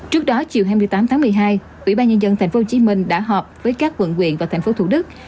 trước đó chiều hai mươi tám tháng một mươi hai ubnd tp hcm đã họp với các quận quyền và tp thủ đức